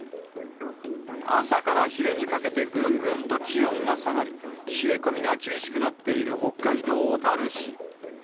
朝から昼にかけてぐんぐんと気温が下がり、冷え込みが厳しくなっている北海道小樽市。